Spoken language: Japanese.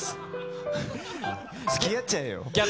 つきあっちゃえよ。